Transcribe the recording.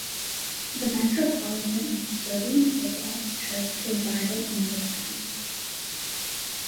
The Metropolitan of the Serbian Orthodox Church resided in the town.